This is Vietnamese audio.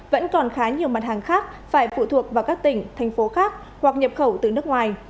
vẫn còn khá nhiều mặt hàng khác phải phụ thuộc vào các tỉnh thành phố khác hoặc nhập khẩu từ nước ngoài